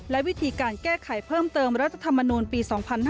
และวิธีการแก้ไขเพิ่มเติมรัฐธรรมนูลปี๒๕๕๙